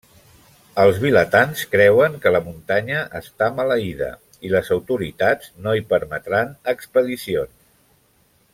Els vilatans creuen que la muntanya està maleïda, i les autoritats no hi permetran expedicions.